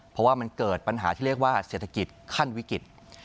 เพราะว่ามันเกิดปัญหาที่เรียกว่าเศรษฐกิจขั้นวิกฤต